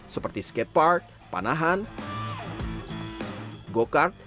seperti skatepark panahan go kart